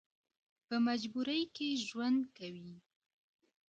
په مجبورۍ کې ژوند کوي.